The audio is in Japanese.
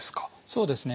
そうですね。